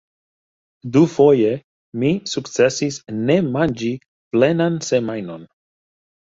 Dufoje mi sukcesis ne manĝi plenan semajnon.